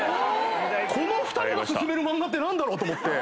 この２人が薦める漫画って何だろう⁉と思って。